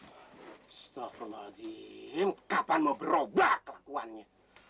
astaghfirullahaladzim kapan mau berubah kelakuannya